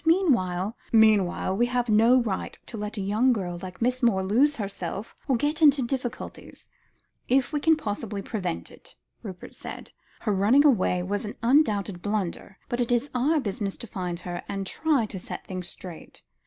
Meanwhile " "Meanwhile, we have no right to let a young girl like Miss Moore lose herself or get into difficulties, if we can possibly prevent it," Rupert said. "Her running away was an undoubted blunder, but it is our business to find her, and try to set things straight.